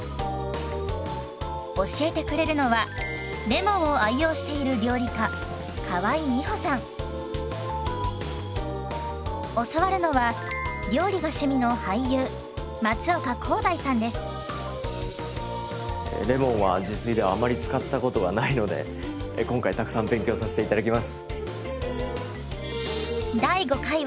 教えてくれるのはレモンを愛用している教わるのはレモンは自炊ではあまり使ったことがないので今回たくさん勉強させて頂きます！